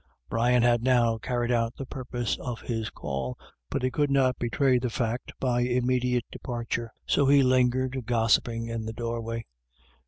Brian had now carried out the purpose of his call, but he could not betray the fact by immediate departure, so he lingered gossiping in the door way.